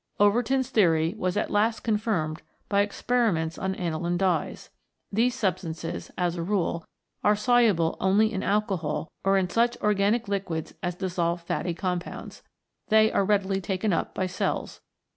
Overton's theory was at last confirmed by experiments on aniline dyes. These substances as a rule are soluble only in alcohol or in such organic liquids as dissolve fatty compounds. They are readily taken up by cells.